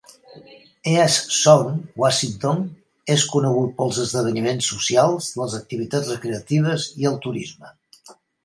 Eastsound (Washington) és conegut pels esdeveniments socials, les activitats recreatives i el turisme.